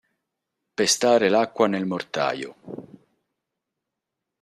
Pestare l'acqua nel mortaio.